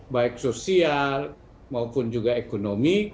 baik sosial maupun juga ekonomi